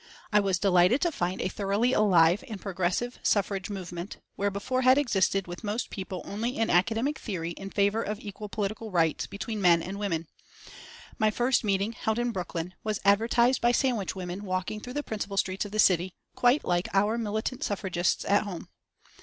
I was delighted to find a thoroughly alive and progressive suffrage movement, where before had existed with most people only an academic theory in favour of equal political rights between men and women. My first meeting, held in Brooklyn, was advertised by sandwich women walking through the principal streets of the city, quite like our militant suffragists at home.